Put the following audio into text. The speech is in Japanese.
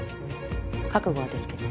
覚悟はできてる？